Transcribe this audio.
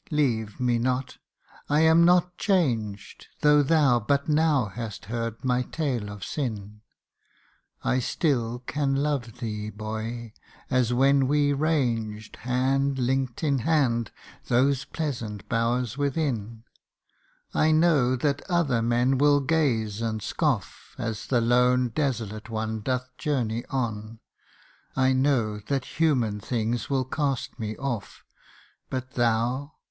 leave me not ! I am not changed, Though thou but now hast heard my tale of sin : I still can love thee, boy, as when we ranged, Hand link'd in hand, those pleasant bowers within I know that other men will gaze and scoff As the lone desolate one doth journey on ; I know that human things will cast me off But thou